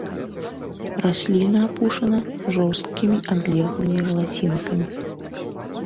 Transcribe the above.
Расліна апушана жорсткімі адлеглымі валасінкамі.